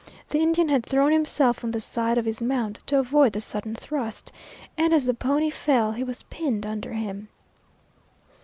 The Indian had thrown himself on the side of his mount to avoid the sudden thrust, and, as the pony fell, he was pinned under him.